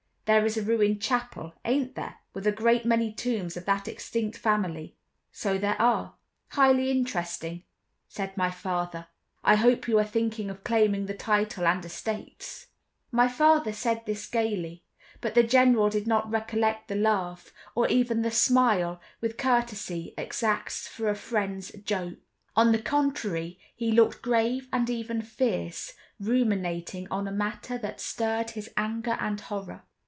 There is a ruined chapel, ain't there, with a great many tombs of that extinct family?" "So there are—highly interesting," said my father. "I hope you are thinking of claiming the title and estates?" My father said this gaily, but the General did not recollect the laugh, or even the smile, which courtesy exacts for a friend's joke; on the contrary, he looked grave and even fierce, ruminating on a matter that stirred his anger and horror.